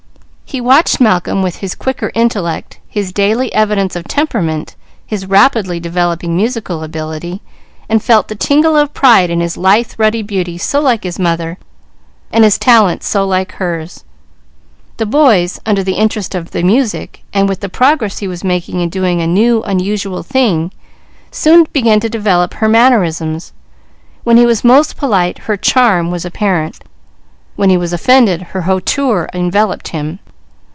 He watched Malcolm with his quicker intellect, his daily evidence of temperament, his rapidly developing musical ability, and felt the tingle of pride in his lithe ruddy beauty, so like his mother, and his talent, so like hers. The boy, under the interest of the music, and with the progress he was making in doing a new, unusual thing, soon began to develop her mannerisms; when he was most polite, her charm was apparent; when he was offended, her hauteur enveloped him.